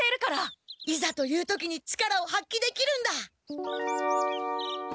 いざという時に力をはっきできるんだ！